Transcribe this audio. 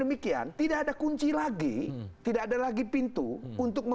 ini komplese banget ya